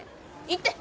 行って。